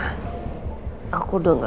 suntar lagi aku akan pergi ma